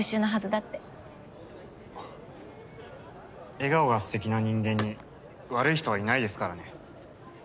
笑顔がすてきな人間に悪い人はいないですからね。